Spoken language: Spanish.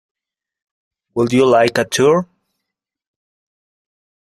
Would You Like a Tour?